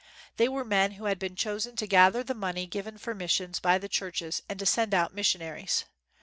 They were men who had been chosen to gather the money given for missions by the churches and to send out missionaries.